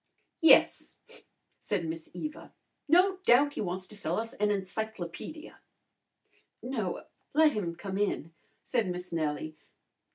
"Yes," said Miss Eva. "No doubt he wants to sell an encyclopedia." "No, let him come in," said Miss Nellie.